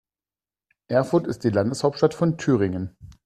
Erfurt ist die Landeshauptstadt von Thüringen.